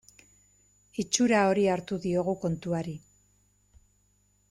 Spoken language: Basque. Itxura hori hartu diogu kontuari.